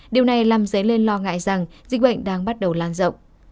điều này làm dấy lên lo ngại rằng dịch bệnh đang bắt đầu lan rộng